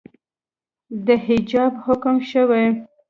د حجاب حکم شوئ